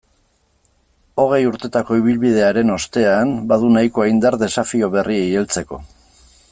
Hogei urtetako ibilbidearen ostean, badu nahikoa indar desafio berriei heltzeko.